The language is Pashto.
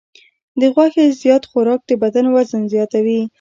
د غوښې زیات خوراک د بدن وزن زیاتوي.